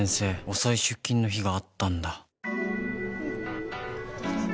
遅い出勤の日があったんだ